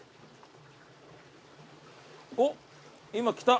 おっ今きた。